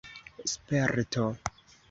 sperto